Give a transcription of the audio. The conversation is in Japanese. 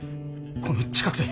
この近くで。